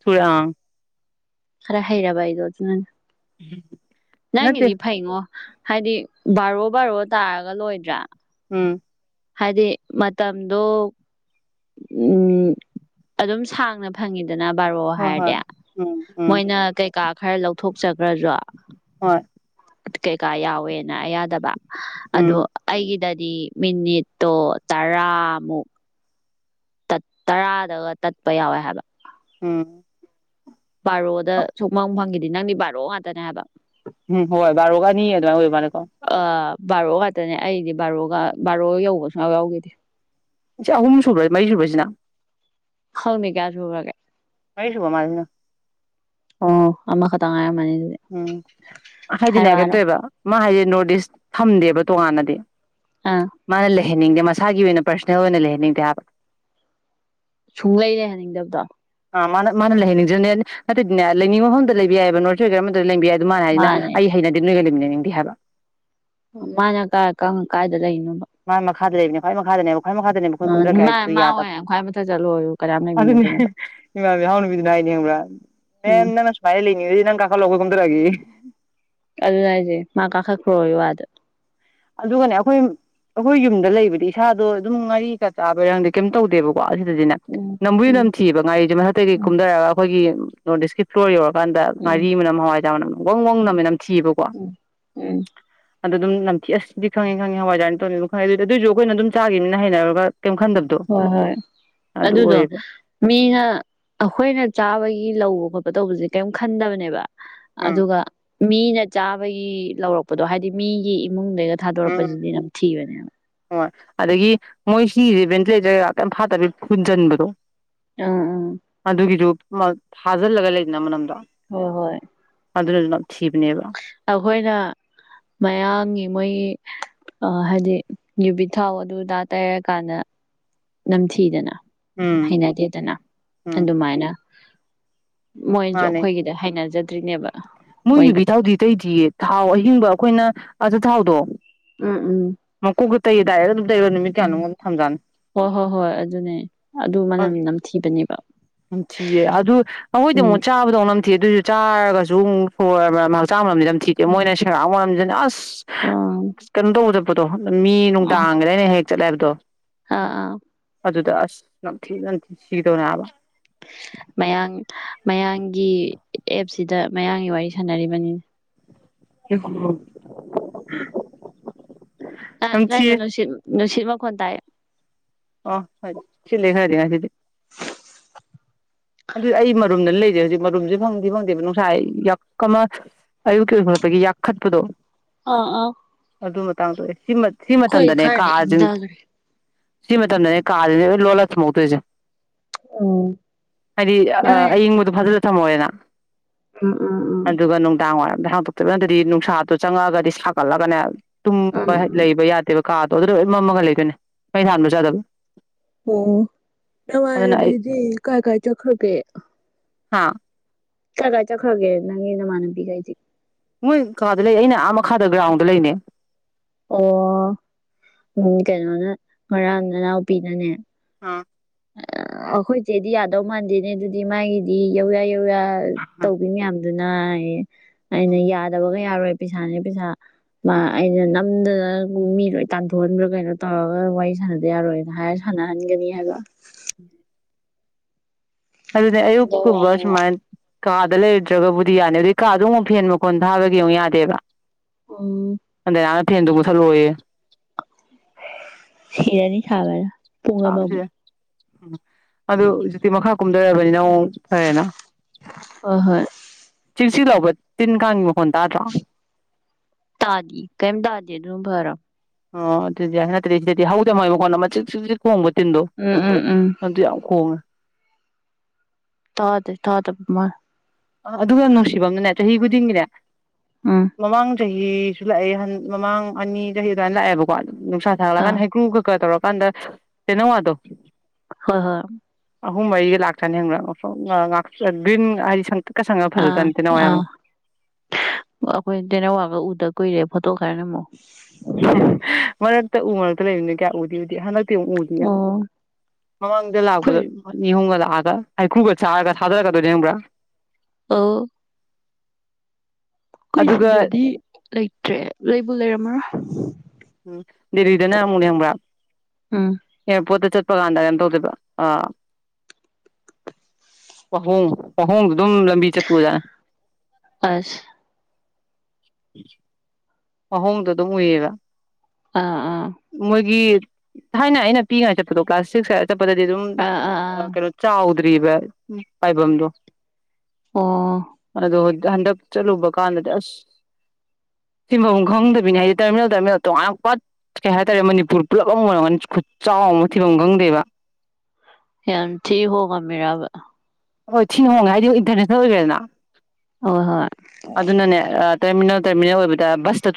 ꯊ ꯑꯥ ꯑꯔ ꯍꯩꯔꯕꯥꯗꯣ ꯑꯗꯨ ꯅꯥꯟ ꯅꯠꯇꯦ ꯅꯉꯗꯤ ꯄ ꯏꯉꯣ ꯍꯥꯏꯗꯤ ꯕꯥꯔꯣ ꯕꯥꯔꯣ ꯇꯥꯔꯒ ꯂꯣꯏꯗ꯭ꯔꯥ ꯎꯝ ꯍꯥꯏꯗꯤ ꯃꯇꯝꯗꯣ ꯎꯝ ꯑꯗꯨꯝ ꯁꯥꯡꯅ ꯐꯪꯉꯤꯗ ꯑꯗꯨꯅ ꯕꯥꯔꯣ ꯍꯣꯏ ꯍꯣꯏ ꯍꯥꯏꯔꯗꯤ ꯎꯝ ꯎꯝ ꯃꯣꯏꯅ ꯀꯩꯀꯥ ꯈꯔ ꯂꯧꯊꯣꯛꯆꯈ꯭ꯔꯁꯨꯣ ꯍꯣꯏ ꯀꯩꯀꯥ ꯌꯥꯎꯋꯦꯅ ꯑꯌꯥꯗꯕ ꯎꯝ ꯑꯗꯣ ꯑꯩꯒꯤꯗꯗꯤ ꯃꯤꯅꯤꯠꯇꯣ ꯇꯔꯥꯃꯨꯛ ꯠ ꯇꯔꯥꯗꯒ ꯇꯠꯄ ꯌꯥꯎꯋꯦ ꯍꯥꯏꯕ ꯎꯝ ꯕꯥꯔꯣꯗ ꯁꯨꯛ ꯐꯪ ꯐꯪꯈꯤꯗꯦ ꯗꯤ ꯅꯪꯗꯤ ꯕꯥꯔꯣꯑꯣ ꯉꯥꯛꯇꯅꯦ ꯍꯥꯏꯕ ꯎꯝ ꯍꯣꯏ ꯕꯥꯔꯣꯒ ꯑꯥꯅꯤ ꯑꯗꯨꯃꯥꯏ ꯑꯣꯏ ꯃꯥꯅꯦ ꯀꯣ ꯑ ꯕꯥꯔꯣ ꯉꯇꯅꯦ ꯑꯩꯗꯤ ꯕꯥꯔꯣꯒ ꯕꯥꯔꯣ ꯌꯧꯕ ꯁꯨꯡꯌꯥꯎ ꯌꯥꯎꯈꯤꯗꯦ ꯏꯆꯥ ꯑꯍꯨꯝ ꯁꯨꯨꯕꯔꯥ ꯃꯔꯤ ꯁꯨꯕꯔꯥ ꯁꯤꯅ ꯍꯧꯅꯥ ꯀꯌꯥ ꯁꯨꯒꯔ ꯒꯦ [inaudible] ꯑꯣ ꯑꯃ ꯈꯇꯥ ꯉꯥꯏꯔꯝ ꯃꯅꯤ ꯎꯝ ꯍꯥꯏꯗꯤꯅꯦ ꯀꯩꯅꯣ ꯇꯧꯋꯦꯕꯥ ꯃꯥ ꯍꯥꯏꯗꯤ ꯅꯣꯔꯠ ꯏꯁ ꯊꯝꯗꯦꯕ ꯇꯣꯉꯥꯟꯅꯗꯤ ꯑꯥ ꯃꯥꯅ ꯂꯩ ꯂꯩꯍꯟꯅꯤꯡꯗꯦ ꯃꯁꯥꯒꯤ ꯑꯣꯏꯅ ꯄꯔꯁꯣꯅꯦꯜ ꯑꯣꯏꯅ ꯂꯩꯍꯟꯅꯤꯡꯗꯦ ꯍꯥꯏꯕ ꯁꯨꯡ ꯂꯩꯍꯟ ꯅꯤꯡꯗꯕꯗꯣ ꯑ ꯃꯥꯅ ꯃꯥꯅ ꯂꯩꯍꯟꯅꯤꯡꯗꯕꯅꯦ ꯅꯠꯇꯗꯤꯅꯦ ꯂꯩꯅꯤꯡ ꯃꯐꯝꯗ ꯂꯩꯕ ꯌꯥꯏꯕ ꯅ ꯑꯗꯣꯏꯒꯅꯥ ꯑꯃꯥ ꯗꯨꯗꯥ ꯂꯩꯕꯥ ꯌꯥꯏ ꯑꯗꯨ ꯃꯥꯅ ꯍꯥꯏꯖꯤꯅ ꯃꯥꯅꯦ ꯑꯩ ꯍꯩꯅꯗꯦ ꯅꯣꯏ ꯂꯩꯃꯤꯅꯅꯤ ꯗꯤꯍꯕ ꯃꯥꯅ ꯀꯉ ꯀꯥꯏꯗ ꯂꯩꯅꯣꯕ ꯃꯥ ꯃꯈꯥꯗ ꯂꯩꯕꯅꯦ ꯈꯨꯋꯥꯏ ꯃꯈꯥꯗꯅꯦꯕ ꯈ꯭ꯋꯥꯏ ꯃꯈꯥꯗꯅꯦꯕ ꯑꯩꯈꯣꯏ ꯀꯨꯝꯊꯔꯛꯀꯦ ꯃꯥ ꯍꯥꯏꯗꯨ ꯃꯥ ꯌꯥꯗꯕ ꯑꯣꯏꯅꯥ ꯈ꯭ꯋꯥꯏ ꯃꯊꯛ ꯆꯠꯂꯣ ꯌꯨ ꯀꯅꯥꯝ ꯑꯗꯨꯅꯦ ꯂꯩꯃꯤꯟꯅꯗꯅꯕ ꯏꯃꯥ ꯅꯕꯤ ꯍꯥꯎ ꯅꯨꯄꯤ ꯗꯨꯅꯥ ꯍꯥꯏꯔꯤ ꯈꯪ ꯕꯔꯥ ꯃ ꯎꯝ ꯅꯪ ꯁꯃꯥꯏꯂꯤꯅꯤ ꯅꯪ ꯀꯨꯝ ꯗꯔꯛ ꯑꯒꯦꯌꯦ ꯑꯗꯨꯅꯦ ꯂꯏꯖꯦ ꯃꯥ ꯀꯥꯈꯛꯈ꯭ꯔꯣꯌꯨ ꯑꯥꯗꯥ ꯑꯗꯨꯒꯅꯦ ꯑꯩꯈꯣꯏ ꯑꯩꯈꯣꯏ ꯌꯨꯝꯗ ꯂꯩꯕꯗꯤ ꯏꯁꯥꯗꯣ ꯑꯗꯨꯝ ꯉꯥꯔꯤꯒ ꯆꯥꯕꯩꯔꯪꯗꯤ ꯀꯩꯝ ꯇꯧꯗꯦꯕꯀꯣ ꯀꯣ ꯑꯁꯤꯗꯁꯤꯅꯦ ꯎꯝ ꯅꯝꯕꯨꯁꯨ ꯎꯝ ꯅꯝꯊꯤꯕ ꯉꯥꯔꯤꯁꯦ ꯃꯊꯛꯇꯒꯤ ꯎꯝ ꯀꯨꯝꯊꯔꯒ ꯑꯩꯈꯣꯏꯒꯤ ꯅꯣꯔꯠ ꯏꯁ ꯀꯤ ꯐꯂꯣꯔ ꯌꯧꯔꯥ ꯀꯀꯥꯟꯗ ꯎꯝ ꯉꯥꯔꯤ ꯃꯅꯝ ꯍꯋꯥꯏꯖ ꯃꯅꯝ ꯋꯥꯪ ꯋꯥꯋꯪꯅ ꯎꯝ ꯃꯅꯝ ꯊꯤꯕꯀꯣ ꯎꯝ ꯎꯝ ꯑꯗꯨ ꯑꯗꯨꯝ ꯑꯁ ꯁꯤꯗꯤ ꯈꯪꯉꯦ ꯈꯉꯦ ꯍꯋꯥꯏꯅ ꯇꯧꯅꯤ ꯑꯗꯨ ꯈꯪꯉꯦ ꯑꯗꯨꯗꯤ ꯑꯗꯨꯏꯁꯨ ꯑꯩꯣꯏꯅ ꯑꯗꯨꯝ ꯆꯥꯈꯤꯕꯅꯤꯅ ꯍꯩꯅꯔꯒ ꯀꯩꯝ ꯈꯟꯗꯕꯗꯣ ꯍꯣꯏ ꯍꯣꯏ ꯑꯗꯨ ꯑꯗꯨꯗꯣ ꯑꯣꯏꯌꯦꯕ ꯃꯤꯅ ꯑꯩꯈꯣꯏꯅ ꯆꯥꯕꯒꯤ ꯂꯧꯕ ꯈꯣꯄ ꯇꯧꯕꯖꯦ ꯀꯩꯏꯝ ꯈꯟꯗꯕꯅꯦꯕ ꯎꯝ ꯑꯗꯨꯒ ꯃꯤꯅ ꯆꯥꯕꯒꯤ ꯂꯧꯔꯛꯄꯗꯣ ꯍꯥꯏꯗꯤ ꯃꯤꯒꯤ ꯏꯃꯨꯡ ꯎꯝ ꯍꯣꯏ ꯑꯗꯒꯤ ꯃꯣꯏ ꯁꯤꯚꯦꯟ ꯐ ꯇ ꯐꯖꯅꯤꯡꯕꯗꯣ ꯑꯥ ꯑꯥ ꯑ ꯑꯗꯨꯒꯤꯁꯨꯣ ꯐꯥꯖꯤꯜꯂꯒ ꯂꯩꯗꯅ ꯃꯅꯝꯗꯣ ꯍꯣꯏ ꯍꯣꯏ ꯊꯤꯕ ꯅꯕ ꯑꯩꯈꯣꯏꯅ ꯃꯌꯥꯝꯒꯤ ꯃꯣꯏ ꯍꯥꯏꯗꯤ ꯌꯨꯕꯤ ꯊꯥꯎ ꯑꯗꯨꯗꯥ ꯇꯩꯔꯀꯥꯟꯗ ꯅꯝꯁꯤꯤꯗꯅ ꯎꯝ ꯍꯩꯅꯗꯦꯗꯅ ꯎꯝ ꯑꯗꯨꯃꯥꯏꯅ ꯃꯣꯏꯁꯨ ꯑꯩꯈꯣꯏꯒꯤꯗ ꯍꯥꯏꯅꯖꯗꯦ ꯇ꯭ꯅꯕ ꯃꯣꯏꯒꯤ ꯀꯩꯇꯥꯎꯗꯤ ꯑꯇꯩꯗꯤ ꯊꯥꯎ ꯑꯩ ꯍꯤꯡꯕ ꯑꯩꯈꯣꯏꯅ ꯑꯊꯥꯎꯗꯣ ꯎꯝ ꯎꯝ ꯇꯩꯗ ꯑꯗꯨ ꯔ ꯅꯨꯃꯤꯠ ꯎꯝ ꯀꯌꯥꯣ ꯊꯝꯖꯅꯤ ꯍꯣꯏ ꯍꯣꯏ ꯍꯣꯏ ꯑꯗꯨꯅꯦ ꯑꯗꯨ ꯃꯅꯝ ꯅꯝꯊꯤꯕꯅꯦꯕ ꯊꯤꯌꯦ ꯑꯗꯨ ꯅꯈꯣꯏꯗ ꯎꯝ ꯑꯃꯨꯛ ꯆꯥꯕꯗꯧ ꯊꯤ ꯑꯗꯨꯑꯣꯏꯁꯨ ꯆꯥꯔꯒꯁꯨ ꯑꯃꯨꯛ ꯍꯣꯏ ꯆꯥꯝꯝ ꯊꯤꯛꯦ ꯎꯝ ꯃꯣꯏꯅ ꯁꯦꯡ ꯑꯁ ꯑꯥ ꯀꯩꯅꯗꯧꯧꯕꯗ ꯀꯗꯣ ꯃꯤ ꯅꯅꯨꯡ ꯇꯥꯡꯒ ꯂꯩꯅꯦ ꯍꯦꯛ ꯆꯠꯂꯥꯏꯔꯗꯣ ꯑꯥ ꯑꯥ ꯑꯗꯨꯗ ꯑꯁ ꯅꯝꯊꯤ ꯅꯝꯊꯤ ꯁꯤꯒꯗꯧꯅꯦꯕ ꯃꯌꯥꯡ ꯃꯌꯥꯝꯡꯒꯤ ꯑꯦꯞꯁꯤꯗ ꯃꯌꯥꯡꯒꯤ ꯋꯥꯔꯤ ꯁꯥꯟꯅꯔꯤꯕꯅꯤ ꯍ ꯍ ꯑ ꯅꯪꯅꯨꯡꯁꯤ ꯁꯤꯃ ꯀꯣꯟ ꯇꯌꯦ ꯑ ꯍ ꯆꯂ ꯍꯔꯤ ꯍꯥꯏꯗꯤ ꯃꯔꯨꯝꯗꯅ ꯂꯩꯔꯤꯦ ꯍꯧꯖꯤꯛ ꯃꯔꯨꯝꯁꯦ ꯐꯪꯗꯤ ꯐꯪꯗꯦꯕ ꯅꯨꯡꯁꯥ ꯌꯥꯛ ꯑꯃ ꯑꯌꯨꯛꯀꯤ ꯑꯣꯏꯈꯂꯛꯄꯒꯤ ꯌꯥꯛꯈꯠꯄꯗꯣ ꯑꯥ ꯑꯥ ꯑꯗꯨ ꯃꯇꯥꯡꯗꯑꯦ ꯁꯤꯃ ꯁꯤꯃ ꯑꯩꯈꯣꯏ ꯃꯇꯝꯗꯅꯦ ꯈꯔꯗꯤ ꯀꯥꯖꯤꯡ ꯏꯪꯊꯈ꯭ꯔꯦ ꯁꯤ ꯃꯇꯝꯗꯅꯦ ꯀꯥꯁꯤꯦꯅꯦꯣꯏ ꯂꯣꯜꯂꯁ ꯃꯧꯛꯇꯣꯏꯁꯦ ꯎꯝ ꯍꯥꯏꯗꯤ ꯑ ꯅꯣꯏ ꯑꯌꯤꯡꯕꯗꯨ ꯐꯖ ꯏꯃꯣꯏꯅ ꯎꯝ ꯎꯝ ꯎꯝ ꯑꯗꯨꯒ ꯅꯨꯡꯗꯥꯡ ꯋꯥꯏꯔꯝ ꯑꯗ ꯍꯥꯡꯗꯣꯛꯇꯕꯤꯪꯗꯗꯤ ꯅꯨꯡꯁꯥꯗꯣ ꯆꯪꯉꯛꯑꯒꯗꯤ ꯁꯥꯒꯠꯂꯒꯅꯦ ꯇꯨꯝꯕ ꯂꯩꯕ ꯎꯝ ꯌꯥꯗꯦꯕ ꯀꯥ ꯇꯗ ꯂꯣꯏ ꯃꯃꯒ ꯂꯩꯗꯣꯏꯅꯦ ꯃꯩ ꯊꯥꯟꯕ ꯆꯥꯗꯕ ꯑꯣ ꯑꯩ ꯅꯃꯥꯏꯕꯤꯗꯤ ꯀꯥꯏ ꯀꯥꯏ ꯆꯈꯒꯦ ꯍꯥꯥ ꯆꯠꯈ ꯆꯠꯈ꯭ꯔꯒꯦ ꯅꯪꯒꯤ ꯅꯃꯥꯟꯅꯕꯤꯈꯩꯗꯤꯦ ꯃꯣꯏ ꯀꯥꯗ ꯂꯩ ꯑꯩꯅ ꯑꯥ ꯃꯈꯥꯗ ꯒ꯭ꯔꯥꯎꯟꯗ ꯂꯩꯅꯦ ꯑꯣ ꯎ ꯀꯩꯅꯣꯅ ꯉꯔꯥꯡ ꯅꯅꯥꯎꯄꯤꯅꯅꯦ ꯑ ꯑ ꯑꯩꯈꯣꯏꯁꯦꯗꯤ ꯌꯥꯗꯧ ꯃꯥꯟꯗꯦꯅꯦ ꯑꯗꯨꯗꯤ ꯃꯥꯒꯤꯗꯤ ꯌꯧꯔ ꯌꯧꯔ ꯑꯥ ꯇꯧꯕꯤ ꯃ ꯌꯥꯝꯗꯅꯤ ꯅ ꯑꯩꯅ ꯌꯥꯗꯕꯒ ꯌꯥꯔꯣꯏ ꯄꯩꯁꯥꯅꯦ ꯄꯩꯁꯥ ꯃꯥ ꯑꯩꯅ ꯅꯝꯗꯅ ꯃꯤ ꯂꯣꯏ ꯇꯥꯟꯊꯣꯛꯍꯟꯕ꯭ꯔꯥ ꯀꯩꯅꯣ ꯇꯧꯔꯒ ꯋꯥꯔꯤ ꯁꯥꯟꯅꯗ ꯌꯥꯔꯣꯏꯅ ꯍꯥꯏꯔ ꯁꯥꯟꯅꯍꯟꯒꯅꯤ ꯍꯥꯏꯕ ꯎꯝ ꯑꯗꯨꯗꯤ ꯌꯧꯌꯥ ꯑꯌꯨꯛꯨꯕ ꯌꯧꯌꯥ ꯁꯃꯥꯏ ꯀꯥꯗ ꯂꯩꯔꯨꯗ꯭ꯔꯒꯕꯨꯗꯤ ꯌꯥꯅꯤ ꯑꯗꯨꯩ ꯀꯥꯗꯣ ꯑꯃꯨꯛ ꯐ ꯍꯦꯟ ꯃꯈꯣꯟ ꯊꯥꯕꯒꯤ ꯑꯃꯨꯛ ꯌꯥꯗꯦꯕ ꯑ ꯇꯦꯟ ꯇꯕꯨꯊꯜ ꯑꯣꯏꯌꯦ ꯁꯤꯔꯅꯤ ꯈꯥꯕ ꯄꯉꯗꯃꯣ ꯎꯝ ꯑꯗꯨ ꯃ ꯈ ꯍꯥ ꯀꯨꯝ [unintelligible] ꯐ ꯍꯣꯏ ꯍꯣꯏ ꯆꯦꯛꯁꯤ ꯂꯥꯎꯕ ꯇꯤꯟ ꯀꯥꯡꯥꯡꯉꯤꯉꯣ ꯇꯥꯗꯤ ꯀꯩꯝ ꯇꯥꯗꯤ ꯑꯗꯨꯚꯔꯣ ꯑꯣ ꯑꯗꯨꯗꯤ ꯍꯗꯣꯏ ꯃꯈꯣꯡꯕ ꯇꯗꯣ ꯎꯝ ꯎꯝ ꯎꯝ ꯑꯗꯨ ꯌꯥꯝ ꯈꯉ ꯊꯥꯗꯦ ꯊꯥ ꯇ ꯃꯥ ꯑꯗꯨ ꯑꯗꯨꯒꯪ ꯉ ꯁꯤꯕꯝ ꯍꯕꯨꯗꯤꯦ ꯎꯝ ꯃꯃꯥꯡꯗ ꯆꯍꯤꯁꯨ ꯂꯥꯛꯑꯦ ꯃꯃꯥꯡ ꯑꯅꯤ ꯆꯍꯤ ꯑꯗꯨꯃꯥꯏꯅ ꯂꯥꯛꯑꯦꯕꯀꯣ ꯅꯨꯡꯁꯥ ꯑꯥ ꯊꯥꯒꯂꯒꯥꯟꯅ ꯍꯩ꯭ꯔꯨ ꯈꯀ ꯇꯧꯔꯒ ꯄꯗ ꯇꯅꯣ ꯑꯗꯨꯣ ꯍꯣꯏ ꯍꯣꯏ ꯑꯍꯨꯝ ꯃꯔꯤꯒ ꯂꯥꯛꯇꯅꯤ ꯍꯕ ꯒ꯭ꯔꯤꯟ ꯍꯥꯏꯗꯤ ꯁꯪꯇ꯭ꯔꯤꯛꯀ ꯁꯪꯉꯒ ꯑꯥ ꯐꯖꯖꯥꯠꯅꯤꯗ ꯅꯋꯥꯏ ꯑꯥ ꯌꯥꯝꯅ ꯑꯩꯈꯣꯏ ꯇꯦꯅꯋꯥꯒ ꯎꯗ ꯀꯨꯏꯔꯦ ꯐꯠꯇ ꯀꯅꯦ ꯃ ꯎ ꯃꯔꯛꯇ ꯎ ꯃꯔꯛꯇ ꯂꯩꯕꯃꯤꯅꯣ ꯀꯌꯥ ꯎꯗꯤ ꯎꯗꯤ ꯍꯟꯗꯛ ꯛ ꯎꯗ ꯌꯥꯅꯤ ꯑꯣ ꯃꯃꯥꯡꯗ ꯂꯥꯛꯄꯗ ꯑꯩꯈꯣꯏ ꯅꯤꯍꯣꯒ ꯂꯥꯛꯑ ꯈ ꯍꯖ ꯀꯗ ꯑ ꯑꯩꯈꯣꯏ ꯑꯗꯨꯒ ꯁꯤꯗꯗꯤ ꯂꯩꯇ꯭ꯔꯦ ꯂꯩꯕꯨ ꯂꯩꯔꯝꯃꯔꯥ [unintelligible] ꯎꯝ ꯗꯦꯔꯤꯗꯅ ꯑꯃꯨꯅꯤ ꯌꯥꯝ꯭ꯔ ꯎꯝ ꯑꯦ ꯄꯣꯠꯇ ꯆꯠ ꯄꯀꯗꯩꯅꯝ ꯇꯧꯗꯕ ꯑꯍꯣꯡꯥꯍꯣꯡ ꯑꯗꯨꯝ ꯂꯝꯕꯤ ꯆꯦ ꯄꯨꯖꯥ ꯑꯁ ꯑꯍꯣꯡꯗ ꯑꯗꯨꯝ ꯎꯏꯌꯦꯔ ꯑꯥ ꯑꯥ ꯃꯒꯤ ꯍꯥꯏꯅ ꯑꯩꯅ ꯄꯤꯉꯥꯏ ꯆꯠꯄꯗꯣ ꯀ꯭ꯂ꯭ꯂꯥꯁꯇꯤꯛꯁ ꯄ ꯑꯥ ꯑꯥ ꯃꯇꯨꯡꯏꯟꯅ ꯑꯥ ꯀꯩꯅꯣ ꯆꯥ ꯗꯔꯤꯕ ꯄꯥꯏꯕꯝꯗꯣ ꯑꯥ ꯑꯗꯣ ꯍꯟꯗꯛ ꯆꯠꯂꯨꯕ ꯀꯥꯟꯗꯗꯤ ꯑꯁ ꯊꯤꯟꯐꯝ ꯈꯪꯗꯕꯤꯅꯤ ꯍꯥꯏꯗꯤ ꯇꯔꯃꯤꯅꯦꯜ ꯇꯔꯃꯤꯜ ꯇꯣꯉꯄ ꯀꯩ ꯍꯥꯏꯇꯥꯔꯦ ꯃꯅꯤꯄꯨꯔ ꯄꯨꯜꯂꯞ ꯑꯃ ꯑꯣꯏꯔꯝꯀꯗ ꯈꯨꯠ ꯆꯥꯎ ꯑꯃ ꯊꯤꯕ ꯈꯪꯗꯦꯕ ꯌꯥꯝ ꯊ ꯍꯒ ꯃꯦꯔꯕ ꯍꯣꯏ ꯊꯤ ꯍꯑꯣꯣꯡꯉ ꯍꯥꯏꯗꯤ ꯏꯟꯇꯔꯅꯦꯁꯅꯦꯜ ꯑꯣꯏꯒꯦꯔꯅ ꯍꯣꯏ ꯍꯣꯏ ꯑꯗꯨꯅꯅꯦ ꯇꯔꯃꯤꯅꯜ ꯇꯔꯃꯤꯜ ꯑꯣꯏꯕꯗꯁ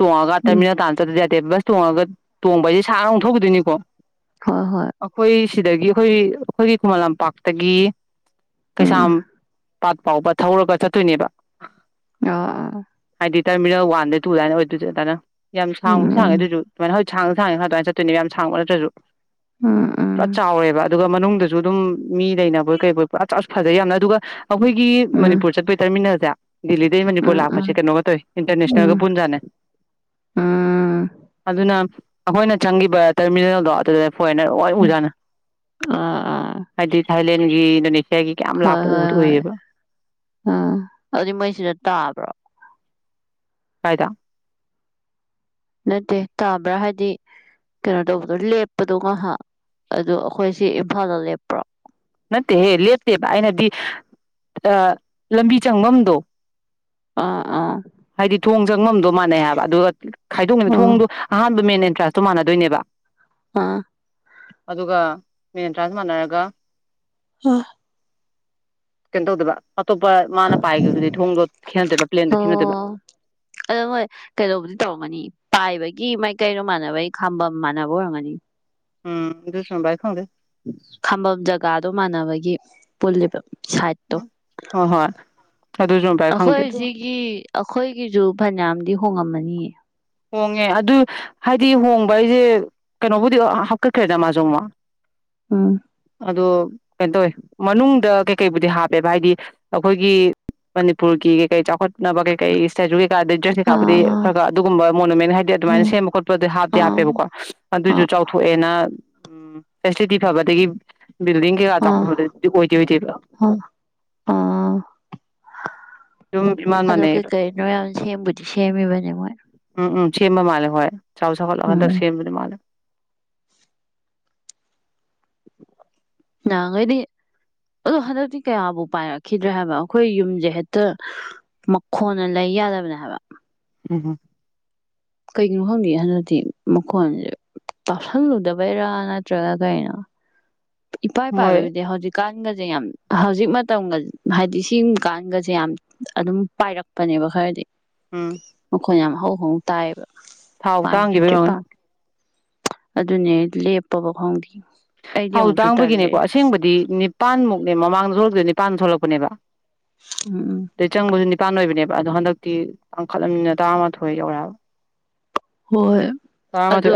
ꯎꯝ ꯊꯨꯡꯉꯒꯅ ꯇꯥꯟ ꯇꯦꯕ꯭ꯂꯁ ꯇꯣꯡꯉꯒ ꯇꯣꯡꯕ ꯍꯥꯏꯁꯦ ꯁꯥꯔ ꯑꯣꯊꯣꯛꯈꯤꯗꯣꯏꯅꯤꯀꯣ ꯍꯣꯏ ꯍꯣꯏ ꯁꯤꯗꯒꯤ ꯑꯩꯈꯣꯏ ꯑꯩꯈꯣꯏꯒꯤ ꯈꯨꯃꯟ ꯂꯝꯄꯥꯛꯇꯒꯤ ꯎꯝ ꯀꯩꯁꯥꯝ ꯄꯥꯠ ꯐꯥꯎꯕ ꯊꯧꯔꯒ ꯆꯠꯇꯣꯏꯅꯦꯕ ꯑꯥ ꯑꯥ ꯗꯤꯇꯔꯃꯤꯅꯦꯜ ꯋꯥꯟꯗꯩ ꯇꯨ ꯑꯗꯨꯥꯏꯅ ꯑꯣꯏꯗꯣꯏꯁꯨ ꯑꯗꯨꯅ ꯌꯥꯝ ꯁꯥꯡꯕꯨꯗꯤ ꯁꯥꯡꯉꯦ ꯎꯝ ꯑꯗꯨꯁꯨ ꯑꯗꯨꯃꯥꯏꯅ ꯍꯧ ꯁꯥꯡꯉ ꯁꯥꯡꯉ ꯁꯥꯡ ꯑꯗꯨꯃꯥꯏꯅ ꯆꯠꯇꯣꯏꯅꯦ ꯌꯥꯝꯥꯡꯕ ꯅꯠꯇ꯭ꯔꯁꯨ ꯎꯝ ꯎꯝ ꯄꯨꯔꯥ ꯆꯥꯎꯋꯦꯕ ꯑꯗꯨꯒ ꯃꯅꯨꯡꯗꯁꯨ ꯑꯗꯨꯝ ꯃꯤ ꯂꯩꯅꯕꯣꯏ ꯀꯩꯕꯣꯏ ꯄꯨꯥ ꯆ ꯐꯖꯩ ꯌꯥꯝꯅ ꯑꯗꯨꯒ ꯑꯩꯈꯣꯏꯒꯤ ꯎꯝ ꯎꯝ ꯃꯅꯤꯄꯨꯔ ꯆꯠꯄꯩ ꯇꯔꯃꯤꯅꯦꯜꯁꯦ ꯦꯜꯂꯤꯗꯩ ꯃꯅꯤꯄꯨꯔ ꯂꯥꯛꯄꯁꯦ ꯎꯝ ꯀꯩꯅꯣꯒ ꯇꯧꯋꯤ ꯏꯟꯇꯔꯅꯦꯁꯅꯦꯜꯒ ꯎꯝ ꯄꯨꯟꯖꯥꯅꯦ ꯎꯝ ꯑꯗꯨꯅ ꯑꯩꯈꯣꯏꯅ ꯆꯪꯒꯤꯕ ꯇꯔꯃꯤꯅꯦꯜꯗꯣ ꯑꯗꯨꯗ ꯍꯣꯔꯦꯅ ꯍ ꯎꯝ ꯎꯖꯥꯅ ꯑꯥ ꯑꯥ ꯍꯥꯏꯗꯤ ꯍꯥꯏꯂꯦꯟꯅꯤ ꯍꯣꯏ ꯍꯣꯏ ꯍꯣꯏ ꯎꯝ ꯑꯗꯨꯗꯤ ꯃꯣꯏꯁꯤꯗ ꯇꯥꯕ꯭ꯔꯣ ꯀꯥꯏꯗ ꯅꯠꯇꯦ ꯇꯥꯕ꯭ꯔꯥ ꯍꯥꯏꯗꯤ ꯀꯩꯅꯣ ꯇꯧꯕꯗꯣ ꯂꯦꯞꯄꯗꯣ ꯉꯥꯏꯍꯥꯛ ꯑꯗꯨ ꯑꯩꯈꯣꯏꯁꯤ ꯏꯝꯐꯥꯜꯗ ꯂꯦꯞꯄ꯭ꯔꯣ ꯅꯠꯇꯦꯍꯦ ꯂꯦꯞꯇꯦꯕ ꯑꯩꯅꯗꯤ ꯂꯝꯕꯤ ꯆꯪꯐꯝꯗꯣ ꯑꯥ ꯑꯥ ꯍꯥꯏꯗꯤ ꯊꯣꯡ ꯆꯪꯉꯝꯗꯧ ꯃꯅꯦ ꯍꯥꯏꯕ ꯑꯗꯨ ꯑꯗꯨꯒ ꯈꯥꯏꯗꯣꯛꯅꯅꯤ ꯊꯣꯡꯗꯣ ꯑꯍꯥꯟꯕ ꯃꯦꯟꯟꯅ ꯇ꯭ꯔꯥꯁꯇꯣ ꯃꯥꯟꯅꯗꯣꯏꯅꯦꯕ ꯑꯥ ꯑꯗꯨꯒ ꯃꯤꯦꯟꯇ꯭ꯔꯥꯟꯥꯁ ꯃꯥꯟꯅꯔꯒ ꯑ ꯀꯇ ꯍꯧꯗꯕ ꯑꯇꯣꯞꯄ ꯃꯥꯅ ꯄꯥꯏꯈꯤꯕꯗꯨꯗꯤ ꯊꯣꯡꯗꯣ ꯈꯦꯠꯅꯗꯕ ꯄ꯭ꯂꯦꯟꯗ ꯈꯦꯠꯅꯗꯕ ꯑꯣ ꯑꯗꯣ ꯃꯣꯏ ꯀꯩꯗꯧꯕꯗꯤ ꯇꯧꯔꯝꯒꯅꯤ ꯄꯥꯏꯕꯒꯤ ꯃꯥꯏꯀꯩꯩꯅꯣ ꯃꯥꯟꯅꯕꯩ ꯈꯥꯝꯕ ꯃꯥꯟꯅꯕ ꯑꯣꯏꯔꯝꯒꯅꯤ ꯎꯝ ꯑꯗꯨꯁ ꯥꯏ ꯈꯣꯡꯦ ꯈꯝꯕꯝ ꯖꯒꯥꯗꯣ ꯃꯥꯟꯅꯕꯒꯤ ꯄꯨꯣꯕ ꯍ ꯍꯣ ꯑꯩꯈꯣꯏ ꯁꯤꯒꯤ ꯑꯩꯈꯣꯏꯒꯤꯁꯨ ꯐꯅꯌꯥꯝꯗꯤ ꯍꯣꯡꯉꯝꯃꯅꯤ ꯍꯣꯡꯉꯦ ꯑꯗꯨ ꯍꯥꯏꯗꯤ ꯍꯣꯡꯕ ꯍꯥꯏꯁꯦ ꯀꯩꯅꯣꯕꯨꯗꯤ ꯍꯥꯞꯀꯠꯈ꯭ꯔꯦꯗ ꯃꯥꯖꯣꯡꯃ ꯑꯥ ꯑꯗ ꯀꯩꯅꯣ ꯇꯧꯋꯤ ꯃꯅꯨꯡꯗ ꯀꯩꯀꯩꯕꯨꯗꯤ ꯍꯥꯞꯄꯦꯕ ꯍꯥꯏꯗꯤ ꯑꯩꯈꯣꯏꯒꯤ ꯃꯅꯤꯄꯨꯔꯒꯤ ꯀꯩꯀꯩ ꯆꯥꯎꯈꯠꯅꯕ ꯀꯩꯀꯩ ꯁꯦ ꯗꯁ ꯑꯥ ꯀꯥꯄꯗ ꯑꯗꯨ ꯃꯣꯅꯨꯦꯟ ꯍꯥꯏꯗꯤ ꯑꯗꯨꯃꯥꯏꯅ ꯁꯦꯝꯕ ꯈꯣꯄ ꯍꯥꯞꯦ ꯑꯥ ꯍꯥꯞꯄꯦꯕꯀꯣ ꯑꯥ ꯑꯗꯨꯏꯁꯨ ꯆꯥꯎꯊꯣꯛꯑꯦꯅ ꯎꯝ ꯐꯁꯇꯤ ꯐꯕꯗꯗꯒꯤ ꯕꯤꯜꯗꯤꯡ ꯀ ꯑꯥ ꯆꯄꯗꯤꯣꯏ ꯀ ꯆꯂ ꯑꯥ ꯑꯥ ꯑꯗꯣ ꯀꯩ ꯀꯔꯤꯅꯣ ꯌꯥꯝꯌꯥꯝ ꯁꯦꯝꯕꯨꯗꯤ ꯁꯦꯝꯃꯤꯕꯅꯦ ꯃꯣꯏ ꯎꯝ ꯎꯝ ꯆꯕ ꯃꯥꯂ ꯍꯣꯏ ꯆꯥꯎꯥꯎ ꯆ ꯐꯜꯂ ꯍꯟꯗ ꯎꯝ ꯁꯦꯝꯅꯦ ꯃꯥꯂ ꯅꯈꯩꯗꯤ ꯑꯗꯣ ꯍꯟꯗꯛꯇꯤ ꯀꯌꯥꯕꯨ ꯄꯥꯏꯔꯛꯈꯤꯗ꯭ꯔꯦ ꯍꯥꯏꯕ ꯑꯩꯈꯣꯏ ꯌꯨꯝꯁꯦ ꯍꯦꯛꯇ ꯃꯈꯣꯟꯅ ꯂꯩ ꯌꯥꯗꯕꯅꯦ ꯍꯥꯏꯕ ꯎꯝꯝ ꯀꯩꯒꯤꯅꯣ ꯈꯪꯗꯦ ꯍꯟꯗꯛꯇꯤ ꯃꯈꯣꯟꯁꯦ ꯄꯥꯞꯁꯜꯂꯨꯗꯕꯩꯔꯥ ꯅꯠꯇ꯭ꯔꯒ ꯀꯩꯅꯣ ꯏꯄꯥ ꯏ ꯃꯣꯏ ꯄꯥꯏꯕꯗꯤꯦ ꯍꯧꯖꯤ ꯀꯥꯁ ꯒꯁꯦ ꯌꯥꯝ ꯍꯧꯖꯤꯛ ꯃꯇꯝꯒ ꯍꯥꯏꯗꯤ ꯁꯤꯀꯥꯟꯒꯁꯦ ꯌꯥꯝ ꯑꯗꯨꯝ ꯄꯥꯏꯔꯛꯄꯅꯦꯕ ꯈꯔꯗꯤ ꯎꯝ ꯑꯩꯈꯣꯏꯅ ꯌꯥꯝ ꯍꯧꯣꯡ ꯇꯥꯏꯑꯕ ꯊꯥꯎ ꯇꯥꯡꯈꯤꯕꯩ ꯃꯃꯟ ꯑꯗꯨꯅꯦ ꯂꯦꯞꯄꯕ ꯈꯪꯗꯦ ꯑꯩꯗꯤ ꯊꯥꯎꯗꯨ ꯇꯜꯂꯦ ꯇꯥꯡꯕꯒꯤꯅꯦꯀꯣ ꯑꯁꯦꯡꯕꯗꯤ ꯄꯥꯟꯃꯨꯛꯅꯦ ꯃꯃꯥꯡꯗ ꯊꯣꯛꯂꯛꯇꯣꯏꯅꯤ ꯄꯥꯟꯗ ꯊꯣꯛꯂꯛꯄꯅꯦꯕ ꯎꯝ ꯀꯇꯥꯟ ꯑꯣꯏꯕꯅꯦꯕ ꯑꯗꯣ ꯍꯟꯗꯛꯇꯤ ꯇꯥꯡꯈꯠꯂꯕꯅꯤꯅ ꯇꯔꯥꯃꯥꯊꯣꯏ ꯌꯧꯔꯛꯑꯕ ꯍꯣꯏ ꯑꯗꯨ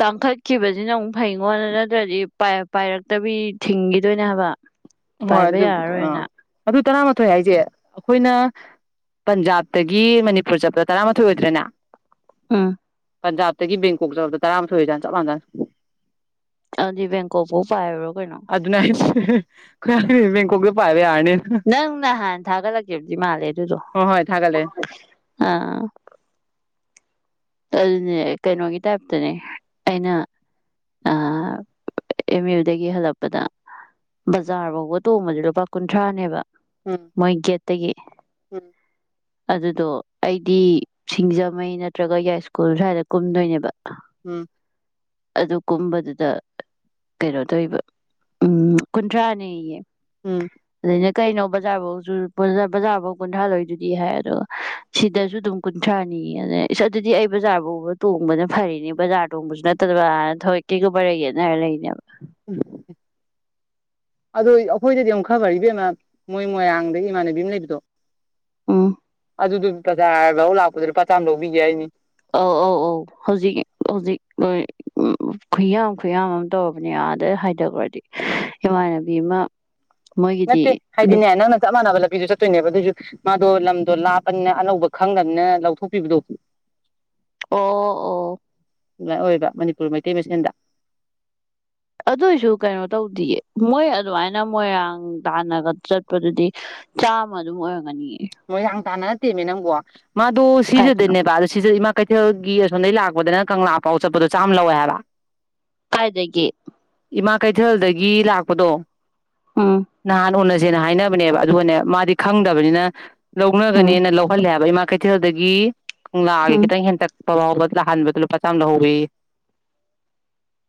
ꯇꯥꯡꯈꯠꯈꯤꯕꯁꯤꯅ ꯑꯃꯨꯛ ꯐꯩꯉꯣꯅ ꯅꯠꯇ꯭ꯔꯗꯤꯥꯏ ꯄꯥꯏꯔꯛꯇꯕꯤ ꯊꯤꯡꯈꯤꯗꯣꯏꯅꯦ ꯍꯥꯏꯕ ꯍꯣꯏ ꯄꯥꯏꯕ ꯑꯗꯨꯗꯤ ꯑ ꯌꯥꯔꯔꯣꯏꯅ ꯑꯗꯨ ꯇꯔꯥꯃꯥꯊꯣꯏ ꯍꯥꯏꯁꯦ ꯑꯩꯈꯣꯏꯅ ꯄꯟꯖꯥꯕꯇꯒꯤ ꯃꯅꯤꯄꯨꯔ ꯆꯞꯄ ꯇꯔꯥꯃꯊ ꯑꯣꯏꯗ꯭ꯔꯦꯅ ꯎꯝ ꯄꯟꯖꯥꯕꯇꯒꯤ ꯕꯦꯡꯀꯣꯛ ꯆꯠꯕꯗ ꯇꯔꯥꯃꯥꯊꯣꯏ ꯑꯣꯏꯖꯥꯟ ꯆꯞ ꯃꯥꯟꯗꯅ ꯑꯗꯤ ꯦꯡꯀꯣꯣꯛꯕꯨ ꯄꯥꯔꯣ ꯀꯩꯅꯣ ꯎ ꯃ ꯈꯣꯛꯒꯦ ꯄꯥꯏ ꯅꯪ ꯅꯍꯥꯟ ꯊꯥꯒꯠꯂꯛꯀꯦꯕꯗꯤ ꯃꯥꯜꯂꯦ ꯑꯗꯨꯗꯣ ꯍꯣꯏ ꯍꯣꯏ ꯊꯥꯒꯠꯂꯦ ꯑꯥ ꯑꯗꯨꯅꯦ ꯀꯩꯅꯣꯒꯤ ꯇꯥꯏꯞꯇꯅꯦ ꯑꯩꯅ ꯑ ꯑꯦꯝ ꯌꯨꯗꯒꯤ ꯍꯜꯂꯛꯄꯗ ꯕꯖꯥꯔ ꯐꯥꯎꯕ ꯇꯣꯡꯕꯁ ꯂꯨꯄꯥ ꯀꯨꯟꯊ꯭ꯔꯥꯅꯦꯕ ꯎꯝ ꯃꯣꯏꯒꯤꯦꯠꯇꯒꯤ ꯎꯝ ꯑꯗꯨꯗꯣ ꯑꯩꯗꯤ ꯁꯤꯡꯖꯃꯩ ꯅꯠꯇ꯭ꯔꯒ ꯌꯥꯏꯁꯀꯨꯜ ꯁ꯭ꯋꯥꯏꯗ ꯀꯨꯝꯗꯣꯏꯅꯦꯕ ꯎꯝ ꯑꯗꯨ ꯀꯨꯝꯕꯗꯨꯗ ꯀꯩꯅꯣ ꯇꯧꯔꯤꯕ ꯎꯝ ꯀꯨꯟꯊ꯭ꯔꯥꯅꯦꯌꯦ ꯎꯡ ꯑꯩꯅꯥ ꯀꯩꯅꯣ ꯕꯥꯖꯥꯔ ꯕꯥꯎ ꯀꯨꯟꯊ꯭ꯔꯥ ꯂꯧꯔꯤꯁꯤ ꯗꯤ ꯍꯥꯏ ꯑꯗꯨꯒ ꯁꯤꯗꯁꯨ ꯑꯗꯨꯝ ꯀꯨꯟꯊ꯭ꯔꯥꯅꯤ ꯌ‌ꯦ ꯏꯁ ꯑꯗꯨꯗꯤ ꯑꯩ ꯕꯖꯥꯔ ꯐꯥꯎꯕ ꯇꯣꯡꯕꯅ ꯐꯔꯤꯅꯦ ꯕꯖꯥꯔ ꯇꯣꯡꯕꯁꯨ ꯅꯠꯇꯕꯅ ꯊꯧꯌ‌ꯣꯏꯀꯤ ꯃꯔꯩ ꯌ‌ꯦꯠꯅ‌꯭ꯔꯥ ꯂꯩꯔꯤꯅꯤ ꯎꯝ ꯑꯗꯨ ꯑꯩꯈꯣꯏꯗꯗꯤ ꯑꯃꯨꯛ ꯈꯔ ꯐ꯭ꯔꯤ ꯏꯕꯦꯝꯃ ꯃꯣꯏ ꯃꯣꯏꯔꯥꯡꯗꯒꯤ ꯏꯃꯥꯟꯅꯕꯤ ꯑꯃ ꯂꯩꯕꯗꯣ ꯑꯡ ꯑꯗꯨꯗ‌ꯣ ꯇꯥꯗ ꯂꯧ ꯂꯥꯛꯄꯗ ꯂꯨꯄꯥ ꯆꯥꯝ ꯂꯧꯕꯤꯒꯤ ꯍꯥꯏꯁꯤꯅꯤ ꯑꯧ ꯑꯧ ꯑꯧ ꯍꯧꯖꯤꯛ ꯍꯧꯖꯤꯛ ꯈꯨꯌꯥꯝ ꯈꯨꯌꯥꯝ ꯑꯃ ꯇꯧꯔꯕꯅꯦ ꯑꯗ ꯍꯥꯏꯊꯈ꯭ꯔꯗꯤ ꯏꯃꯥꯟꯅꯕꯤ ꯑꯃ ꯃꯣꯏꯒꯤꯗꯤ ꯅꯠꯇ‌ꯦ ꯍꯥꯏꯗꯤ ꯅ‌ꯦ ꯅꯧꯅꯥ ꯆꯞ ꯃꯥꯟꯅꯅꯥ ꯂꯝꯕꯤꯗꯨ ꯆꯠ ꯆꯠꯇꯣꯏꯅꯦꯕ ꯑꯗ‌ꯣꯏꯁꯨ ꯃꯥꯗꯣ ꯂꯝꯗꯣ ꯂꯥꯞꯄꯅꯤꯅ ꯑꯅꯧꯕ ꯈꯪꯗꯅꯤꯅ ꯂꯧꯊꯣꯛꯄꯤꯕꯗꯣ ꯑꯣ ꯑꯣ ꯑꯗꯨꯃꯥꯏ ꯑꯣꯏꯕ ꯃꯅꯤꯄꯨꯔ ꯃꯩꯇꯩ ꯃꯁꯦꯟꯗ ꯑꯗꯨꯏꯁꯨ ꯀꯩꯅꯣ ꯇꯧꯗ‌ꯦꯌꯦ ꯃꯣꯏ ꯑꯗꯨꯃꯥꯏꯅ ꯃꯣꯏꯔꯥꯡ ꯇꯥꯟꯅꯒ ꯆꯠꯄꯗꯨꯗꯤ ꯆꯥꯝꯃ ꯑꯗꯨꯝ ꯑꯣꯏꯔꯝꯒꯅꯤꯌꯦ ꯃꯣꯏꯔꯥꯡ ꯇꯥꯟꯅ ꯅꯠꯇ‌ꯦꯃꯤ ꯅꯪꯕꯣ ꯃꯥꯗꯨ ꯀꯥꯏꯗꯅꯣ ꯁꯤꯖꯗꯅꯦꯕꯥ ꯑꯗꯨ ꯁꯤꯖ ꯏꯃꯥ ꯀꯩꯊꯦꯜꯒꯤ ꯑꯁꯣꯝꯗꯒꯤ ꯂꯥꯛꯄꯗꯅ ꯀꯪꯂꯥ ꯐꯥꯎ ꯆꯠꯄꯗꯣ ꯆꯥꯝꯃ ꯂꯧꯋꯦ ꯍꯥꯏꯕ ꯀꯥꯏꯗꯗꯒꯤ ꯏꯃꯥ ꯀꯩꯊꯦꯜꯗꯒꯤ ꯂꯥꯛꯄꯗꯣ ꯎꯝ ꯅꯍꯥꯟ ꯎꯅꯥꯁ‌ꯦ ꯁꯦꯅ ꯍꯥꯏꯅꯕꯅꯦꯕ ꯑꯗꯨꯒꯅ‌ꯦ ꯃꯥꯗꯤ ꯈꯪꯗꯕꯅꯤꯅ ꯎꯝ ꯂꯧꯅꯒꯅꯦꯅ ꯂꯧꯍꯜꯂꯦ ꯍꯥꯏꯕ ꯏꯃ ꯀꯩꯊ‌ꯦꯜꯗꯒꯤ ꯀꯪꯂꯥꯒꯤꯗꯨ ꯎꯝ ꯈꯤꯇꯪ ꯍ‌ꯧ ꯄꯍꯥꯎꯕꯗꯅꯍꯥꯟꯕꯗ ꯂꯨꯄꯥ ꯆꯥꯡ ꯂꯧꯍꯧꯕꯋꯤ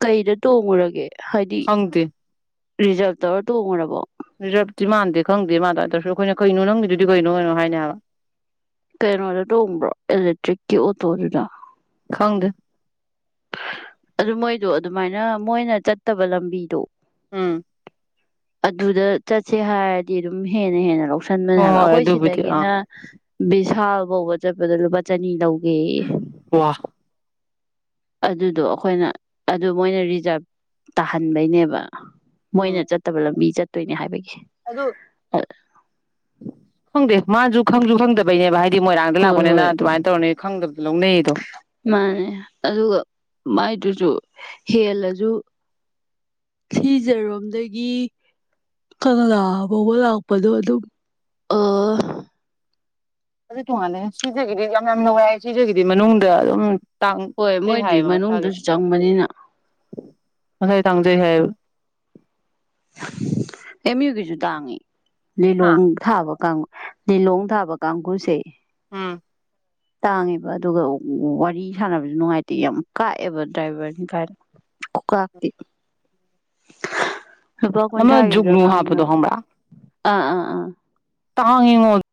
ꯀꯩꯗ ꯇꯣꯡꯉꯨꯔꯒꯦ ꯍꯥꯏꯗꯤ ꯈꯪꯗꯦ ꯔꯤꯖꯥꯕ ꯇꯧꯔ ꯇꯣꯡꯉꯨꯔꯕꯣ ꯁꯤꯥꯟꯦ ꯈꯪꯗꯦ ꯃꯥꯗ ꯑꯗꯨꯁꯨ ꯑꯩꯈꯅ ꯀꯩꯅꯣ ꯅꯪꯒꯤꯗꯨꯗꯤ ꯀꯩꯅꯣꯩꯅꯣ ꯍꯥꯏꯅꯦꯕ ꯀꯩꯅꯣꯗ ꯇꯣꯡꯕ꯭ꯔꯣ ꯏꯂꯦꯛꯇ꯭ꯔꯤꯛꯀꯤ ꯑꯣꯇꯣꯗꯨꯗ ꯍꯪꯗ ꯑꯗꯨ ꯃꯣꯏꯗꯣ ꯑꯗꯨꯃꯥꯏꯅ ꯃꯣꯏꯅ ꯆꯠꯇꯕ ꯂꯝꯕꯤꯗꯣ ꯎꯝ ꯑꯗꯨꯗ ꯆꯠꯁꯦ ꯍꯥꯏꯔꯗꯤ ꯑꯗꯨꯝ ꯍꯦꯟꯅ ꯍꯦꯟꯅ ꯂꯧ ꯁꯟꯃꯟ ꯍꯣꯏ ꯍꯥꯏꯕ ꯍꯣꯏ ꯑꯩꯈꯣꯏ ꯑꯗꯨꯕꯨꯗꯤ ꯑꯥ ꯁꯤꯗꯒꯤꯅ ꯕꯤꯚꯤꯁꯥꯜ ꯕꯕ ꯆꯠꯄꯗ ꯂꯨꯄꯥ ꯆꯅꯤ ꯂꯧ ꯒꯤ ꯋꯥ ꯑꯗꯨꯗꯣ ꯑꯩꯈꯣꯏꯅ ꯑꯗꯨ ꯃꯣꯏꯅ ꯔꯤꯖꯥꯔꯚ ꯇꯥꯍꯟꯕꯩꯅꯦꯕ ꯃꯣꯏꯅ ꯎꯝ ꯆꯠꯇꯕ ꯂꯝꯕꯤ ꯆꯠ ꯇꯣꯏꯅꯦ ꯍꯥꯏꯕꯒꯤ ꯑꯗꯨ [inaudible] ꯈꯪꯗꯦ ꯃꯥꯁꯨ ꯈꯪꯁꯨꯨ ꯈꯪꯗꯕꯩꯅꯦ ꯚ ꯍꯥꯏ ꯗꯤ ꯃꯣꯏꯔꯥꯡꯗ ꯍꯣꯏ ꯂꯥꯛꯄꯅꯤꯅ ꯍꯣꯏ ꯑꯗꯨꯃꯥꯏꯅ ꯇꯧꯔꯅꯤ ꯈꯪꯗꯕꯗꯣ ꯂꯧꯅꯩꯗꯣ ꯃꯥꯅꯦ ꯑꯗꯨꯒ ꯃꯥꯏꯗꯨꯁꯨ ꯍꯦꯜꯂꯁꯨ ꯊꯤꯖꯔꯣꯝꯗꯒꯤ ꯀꯪꯂꯥ ꯐꯥꯎꯕ ꯂꯥꯛꯄꯗꯣ ꯑꯗꯨꯝ ꯑ ꯑꯗꯨ ꯇꯣꯉꯥꯟꯜꯂꯦ ꯁꯤꯗꯒꯤꯗꯤ ꯌꯥꯝ ꯌꯥꯝ ꯅꯨꯡꯉꯥꯏ ꯁꯤꯖꯒꯤꯗꯤ ꯃꯅꯨꯡꯗ ꯑꯗꯨꯝ ꯍꯣꯏ ꯇꯥꯡꯖꯩ ꯃꯣꯏꯗꯤ ꯍꯥꯏꯌꯦꯕ ꯃꯁꯥꯒꯤ ꯃꯅꯨꯡꯗꯁꯨ ꯆꯪꯕꯅꯤꯅ ꯃꯁꯥꯒꯤ ꯇꯥꯡꯖꯩ ꯍꯥꯏꯌꯦꯕ ꯑꯃꯤꯌ ꯀꯖꯨ ꯗꯗꯥꯉꯩ ꯂꯩ ꯍꯥ ꯂꯣꯡ ꯊꯥꯕ ꯀꯥꯡ ꯂꯤꯂꯣꯡ ꯊꯥꯕ ꯀꯥꯡꯒꯨꯁꯦ ꯎꯝ ꯇꯥꯡꯉꯦꯕ ꯑꯗꯨꯒ ꯋꯥꯔꯤ ꯁꯥꯟꯅꯕꯁꯨ ꯅꯨꯡꯉꯥꯏꯇꯦ ꯌꯥꯝ ꯀꯥꯛꯑꯦꯕ ꯗ꯭ꯔꯥꯏꯚꯔꯅꯤ ꯀꯥꯏꯅ ꯀꯀꯥꯛꯄꯤ [inaudible] ꯑ ꯌꯨꯒꯅꯅꯨꯡ ꯍꯥꯞꯗ ꯍ ꯑꯥ ꯑꯥ ꯑꯥ ꯇꯥꯡꯉꯉꯣ